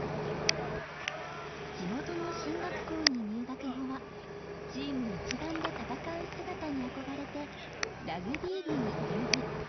地元の進学校に入学後はチーム一丸で戦う姿に憧れてラグビー部に入部。